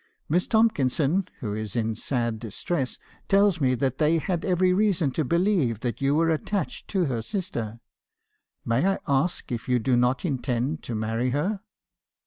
Miss Tomkinson , who is in sad distress, tells me that they had every reason to believe that you were attached to her sister. May I ask if you do not intend to marry her?'